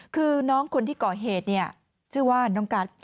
คือน้องคนที่ก่อเหตุเนี่ยชื่อว่าน้องกัส